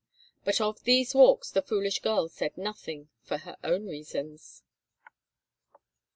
But of these walks the foolish girl said nothing, for her own reasons.